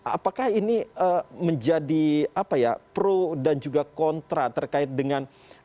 apakah ini menjadi pro dan juga kontra terkait dengan